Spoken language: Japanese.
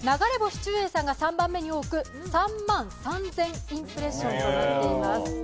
ちゅうえいさんが３番目に多く３万３０００インプレッションとなっています。